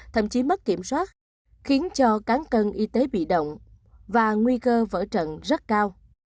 thậm chí mất kiểm soát khiến cho cán cân y tế bị động và nguy cơ vỡ trận rất cao